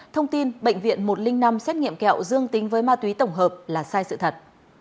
thông tin bệnh viện một trăm linh năm xét nghiệm kẹo dương tính với ma túy tổng hợp là sai sự thật